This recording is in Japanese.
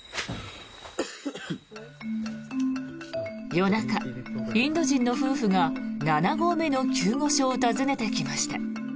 夜中、インド人の夫婦が７合目の救護所を訪ねてきました。